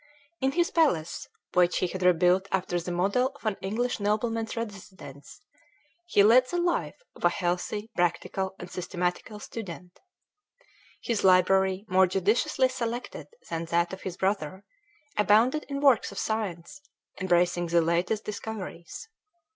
In his palace, which, he had rebuilt after the model of an English nobleman's residence, he led the life of a healthy, practical, and systematic student. His library, more judiciously selected than that of his brother, abounded in works of science, embracing the latest discoveries.